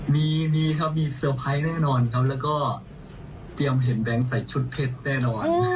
มีมีครับมีเซอร์ไพรส์แน่นอนครับแล้วก็เตรียมเห็นแบงค์ใส่ชุดเพชรแน่นอน